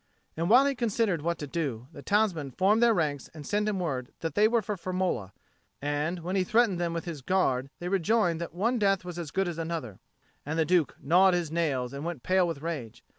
And while he considered what to do, the townsmen formed their ranks and sent him word that they were for Firmola; and when he threatened them with his Guard, they rejoined that one death was as good as another; and the Duke gnawed his nails and went pale with rage.